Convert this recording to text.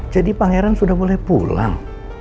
jadi pangeran sudah boleh pulang